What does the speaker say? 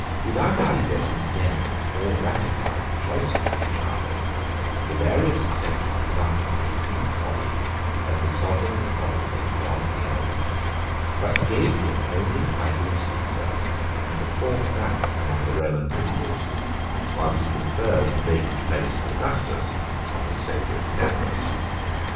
Without either condemning or ratifying the choice of the British army, Galerius accepted the son of his deceased colleague as the sovereign of the provinces beyond the Alps; but he gave him only the title of Cæsar, and the fourth rank among the Roman princes, whilst he conferred the vacant place of Augustus on his favorite Severus.